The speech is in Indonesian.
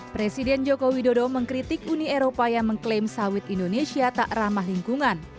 presiden joko widodo mengkritik uni eropa yang mengklaim sawit indonesia tak ramah lingkungan